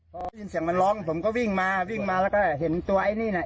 พอได้ยินเสียงมันร้องผมก็วิ่งมาวิ่งมาแล้วก็เห็นตัวไอ้นี่น่ะ